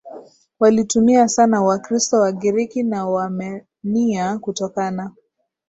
walitumia sana Wakristo Wagiriki na Waarmenia kutokana